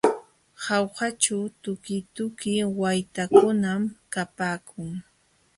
Jaujaćhu tukituki waytakunam kapaakun.